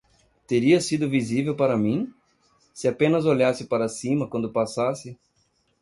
Teria sido visível para mim? se apenas olhasse para cima quando passasse.